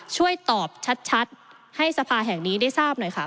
ช่วยตอบชัดให้สภาแห่งนี้ได้ทราบหน่อยค่ะ